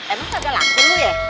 emang kagak laku lu ya